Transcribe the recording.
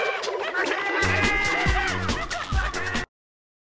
待て！